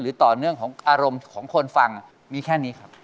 ต่อเนื่องของอารมณ์ของคนฟังมีแค่นี้ครับ